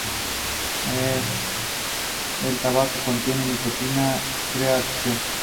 El tabaco contiene nicotina que crea adicción.